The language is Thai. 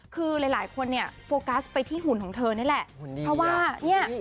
คือหลายคนเนี่ยโฟกัสไปที่หุ่นของเธอนั่นแหละหุ่นดีเพราะว่าเนี้ย